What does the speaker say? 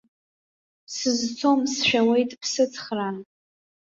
Сызцом, сшәауеит, бсыцхраа.